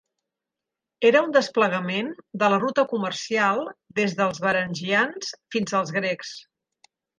Era un desplegament de la ruta comercial des dels Varangians fins als Grecs.